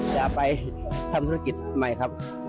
จะไปทำธุรกิจใหม่ครับ